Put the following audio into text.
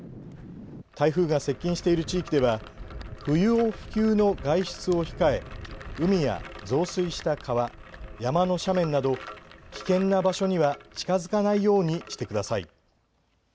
台風が接近している地域では不要不急の外出を控え海や増水した川、山の斜面など危険な場所には近づかないようにしてください。